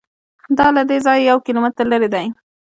دا له دې ځایه یو کیلومتر لرې دی.